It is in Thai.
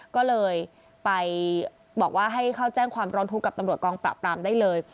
ก็เลยไปบอกว่าให้เข้าแจ้งความร้องทุกข์กับตำรวจกองปราบปรามได้เลย